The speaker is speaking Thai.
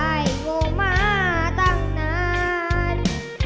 โง่มาตั้งนาน